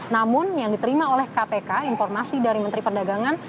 namun yang diterima oleh kpk informasi dari menteri perdagangan